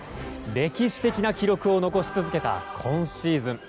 歴史的な記録を残し続けた今シーズン。